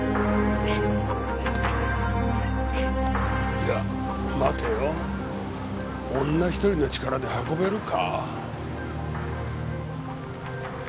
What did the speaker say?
いや待てよ女一人の力で運べるか？